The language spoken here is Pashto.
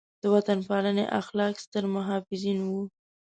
د وطن پالنې اخلاق ستر محافظین وو.